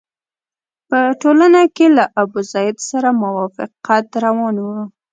په ټولنه کې له ابوزید سره موافقت روان وو.